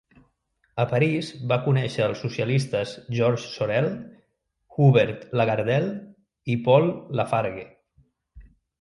A París va conèixer els socialistes Georges Sorel, Hubert Lagardelle i Paul Lafargue.